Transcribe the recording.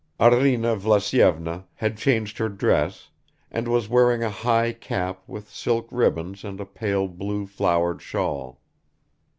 Arina Vlasyevna had changed her dress, and was wearing a high cap with silk ribbons and a pale blue flowered shawl.